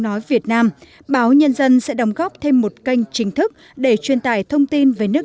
nói việt nam báo nhân dân sẽ đồng góp thêm một kênh chính thức để truyền tải thông tin về nước